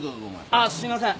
ああすいません。